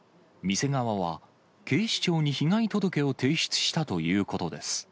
店側は、警視庁に被害届を提出したということです。